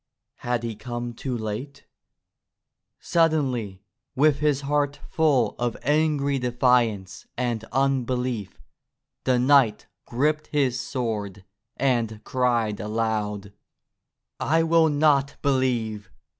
Had he come too late? Suddenly, with his heart full of angry defiance and unbelief, the knight gripped his sword and cried aloud : 'T will not believe!